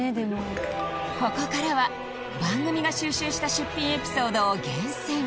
ここからは番組が収集した出品エピソードを厳選